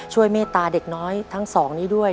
เมตตาเด็กน้อยทั้งสองนี้ด้วย